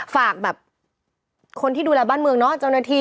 ฝากแบบคนที่ดูแลบ้านเมืองเนาะเจ้าหน้าที่